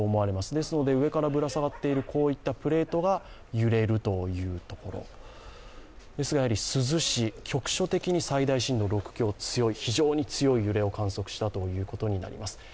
ですので上からぶら下がっているこういったプレートが揺れるというところ珠洲市、局所的に最大震度６強、非常に強い揺れを観測したということです。